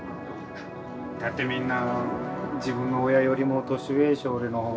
だってみんな自分の親よりも年上でしょう